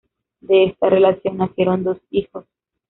De esta relación nacieron dos hijos.